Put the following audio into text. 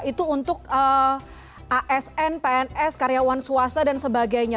itu untuk asn pns karyawan swasta dan sebagainya